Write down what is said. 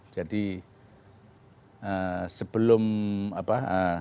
jadi sebelum apa